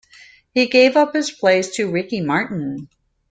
He gave up his place to Ricky Martin.